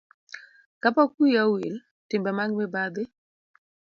Ka pok wiya owil, timbe mag mibadhi